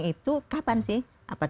lelang itu kapan sih